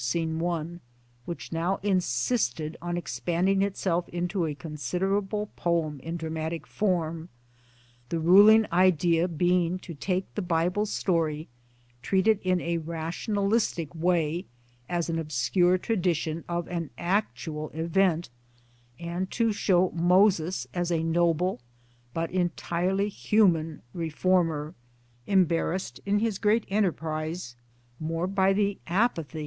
Sc. i), which now In sisted on expanding itself into a considerable poem in dramatic form the ruling idea being to take the Bible story, treat it in a rationalistic way, as an obscure tradition of an actual event, and to show Moses as a noble but entirely human reformer, em barrassed in his great enterprise more by the apathy, 7.